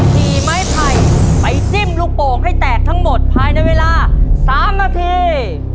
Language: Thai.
ขี่ไม้ไผ่ไปจิ้มลูกโป่งให้แตกทั้งหมดภายในเวลา๓นาที